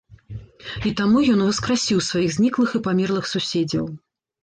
І таму ён уваскрасіў сваіх зніклых і памерлых суседзяў.